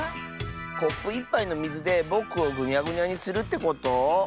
コップ１ぱいのみずでぼくをぐにゃぐにゃにするってこと？